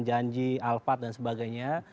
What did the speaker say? janji alphard dan sebagainya